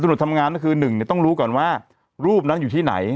ทำงานก็คือหนึ่งเนี่ยต้องรู้ก่อนว่ารูปนั้นอยู่ที่ไหน